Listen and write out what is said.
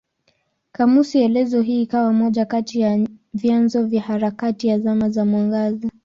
Kamusi elezo hii ikawa moja kati ya vyanzo vya harakati ya Zama za Mwangaza.